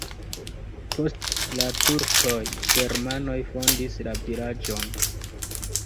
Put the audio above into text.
Post la turkoj germanoj fondis la vilaĝon.